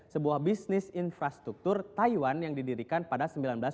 sebuah bisnis infrastruktur taiwan yang didirikan pada seribu sembilan ratus sembilan puluh